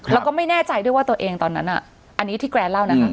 แล้วก็ไม่แน่ใจด้วยว่าตัวเองตอนนั้นอันนี้ที่แกรนเล่านะคะ